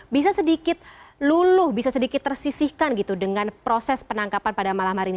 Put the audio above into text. bisa sedikit luluh bisa sedikit tersisihkan gitu dengan proses penangkapan pada malam hari ini